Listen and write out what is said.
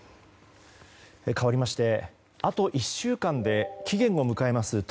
かわりましてあと１週間で期限を迎えます